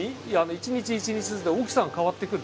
一日一日ずつで大きさが変わってくる。